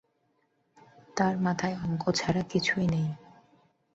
তার মাথায় অঙ্ক ছাড়া কিছুই নেই।